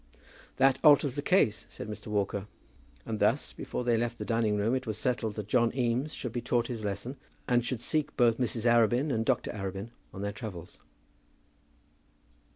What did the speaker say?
"That alters the case," said Mr. Walker. And thus, before they left the dining room, it was settled that John Eames should be taught his lesson and should seek both Mrs. Arabin and Dr. Arabin on their travels.